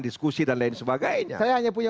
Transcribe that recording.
diskusi dan lain sebagainya saya hanya punya